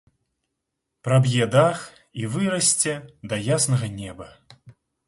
Праб'е дах і вырасце да яснага неба.